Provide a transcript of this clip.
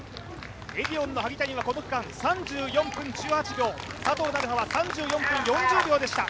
エディオンの萩谷はこの区間、３４分１８秒、佐藤成葉が３４分４４秒でした。